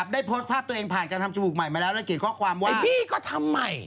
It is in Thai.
ได้โพสต์ภาพตัวเองผ่านการทำจมูกใหม่มาแล้วแล้วเขียนข้อความไว้บี้ก็ทำใหม่